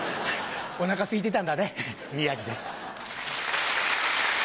お腹すいてたんだね宮治です。